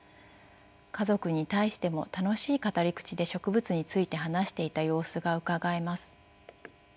家族に対しても楽しい語り口で植物について話していた様子がうかがえます。